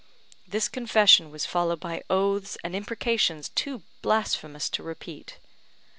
This confession was followed by oaths and imprecations too blasphemous to repeat.